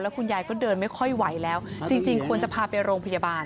คุณยายก็เดินไม่ค่อยไหวแล้วจริงควรจะพาไปโรงพยาบาล